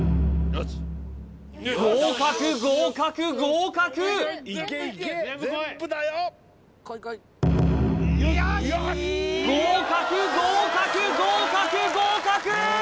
合格合格合格合格合格合格合格